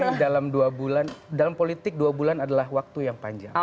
karena dalam dua bulan dalam politik dua bulan adalah waktu yang panjang